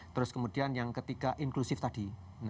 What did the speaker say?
terus kemudian yang ketiga inklusif tadi